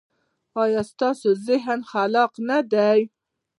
ایا ستاسو ذهن خلاق نه دی؟